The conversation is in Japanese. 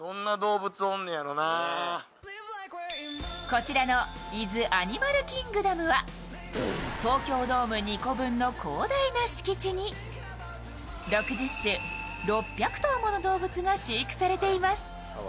こちらの伊豆アニマルキングダムは東京ドーム２個分の広大な敷地に６０種、６００頭もの動物が飼育されています。